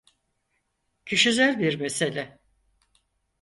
Kişisel bir mesele.